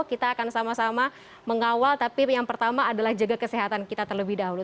kita akan sama sama mengawal tapi yang pertama adalah jaga kesehatan kita terlebih dahulu